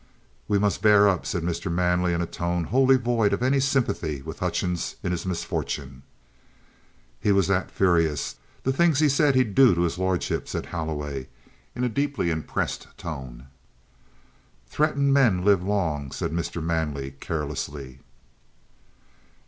"We must bear up," said Mr. Manley, in a tone wholly void of any sympathy with Hutchings in his misfortune. "He was that furious. The things 'e said 'e'd do to his lordship!" said Holloway in a deeply impressed tone. "Threatened men live long," said Mr. Manley carelessly.